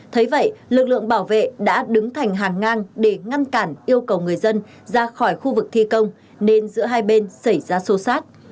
thấy vậy lực lượng bảo vệ đã đứng thành hàng ngang để ngăn cản yêu cầu người dân ra khỏi khu vực thi công nên giữa hai bên xảy ra xô xát